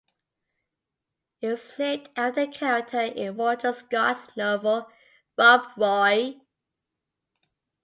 It was named after a character in Walter Scott's novel "Rob Roy".